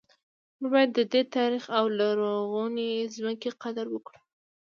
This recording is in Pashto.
موږ باید د دې تاریخي او لرغونې ځمکې قدر وکړو